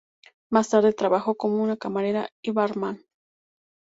Más tarde trabajó como camarera y barman.